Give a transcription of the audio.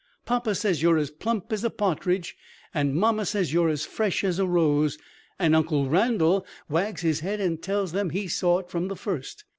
"Papa says you're as plump as a partridge; and mamma says you're as fresh as a rose; and Uncle Randal wags his head, and tells them he saw it from the first.